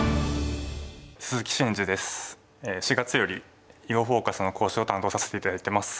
４月より「囲碁フォーカス」の講師を担当させて頂いてます。